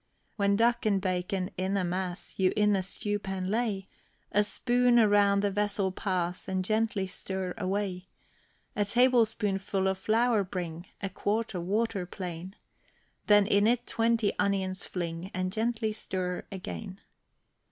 When duck and bacon, in a mass, You in a stewpan lay, A spoon around the vessel pass, And gently stir away; A tablespoonful of flour bring, A quart of water plain, Then in it twenty onions fling, And gently stir again.